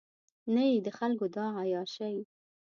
نه یې د خلکو دا عیاشۍ.